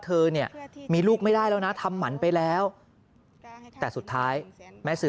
เธอเนี่ยมีลูกไม่ได้แล้วนะทำหมันไปแล้วแต่สุดท้ายแม่ซื้อ